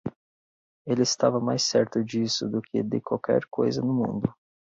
Ele estava mais certo disso do que de qualquer coisa no mundo.